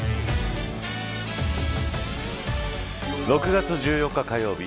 ６月１４日火曜日